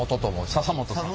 笹本さん。